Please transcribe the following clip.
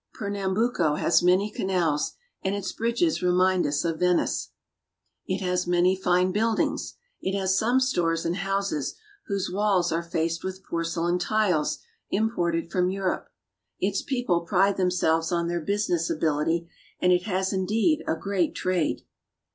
Pernambuco has many canals, and its bridges remind us of Venice. It has many fine buildings. It has some " The villages are of thatched huts Stores and houses whose walls are faced with porcelain tiles imported from Europe. Its people pride themselves on their business ability, and it has indeed a great trade.